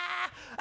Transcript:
あ！